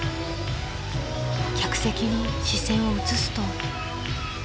［客席に視線を移すと］